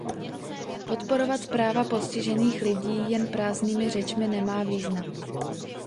Podporovat práva postižených lidí jen prázdnými řečmi nemá význam.